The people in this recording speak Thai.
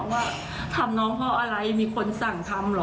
ว่าทำน้องเพราะอะไรมีคนสั่งทำเหรอ